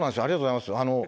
ありがとうございます。